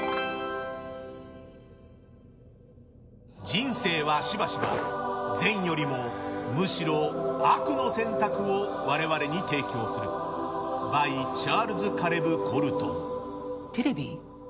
人生はしばしば善よりもむしろ悪の選択を我々に提供する、ｂｙチャールズ・カレブ・コルトン。